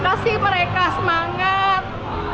kasih mereka semangat